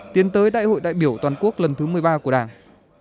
tiến tới đại hội đại biểu toàn quốc lần thứ một mươi ba của đảng